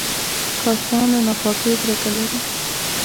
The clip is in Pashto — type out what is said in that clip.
کاستان له ناپاکۍ کرکه لرله.